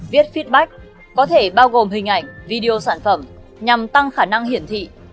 viết fitback có thể bao gồm hình ảnh video sản phẩm nhằm tăng khả năng hiển thị